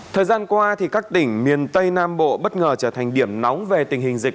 thời gian qua các tỉnh miền tây nam bộ bất ngờ trở thành điểm nóng về tình hình dịch